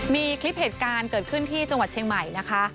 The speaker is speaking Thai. มีคลิปเหตุการณ์เกิดขึ้นที่จังหวัดเชียงใหม่นะคะ